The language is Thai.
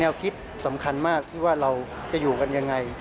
คิดสำคัญมากที่ว่าเราจะอยู่กันยังไง